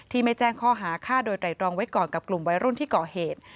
ไม่แจ้งข้อหาฆ่าโดยไตรรองไว้ก่อนกับกลุ่มวัยรุ่นที่ก่อเหตุ